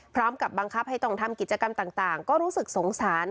พร้อมกับบังคับให้ต้องทำกิจกรรมต่างก็รู้สึกสงสาร